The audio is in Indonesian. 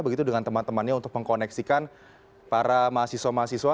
begitu dengan teman temannya untuk mengkoneksikan para mahasiswa mahasiswa